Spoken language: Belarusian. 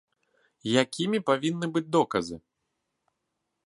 Якімі павінны быць доказы?